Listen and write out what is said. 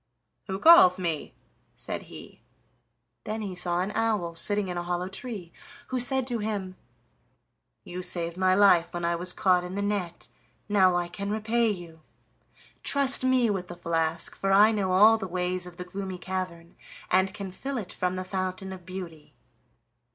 "Who calls me?" said he; then he saw an owl sitting in a hollow tree, who said to him: "You saved my life when I was caught in the net, now I can repay you. Trust me with the flask, for I know all the ways of the Gloomy Cavern, and can fill it from the Fountain of Beauty."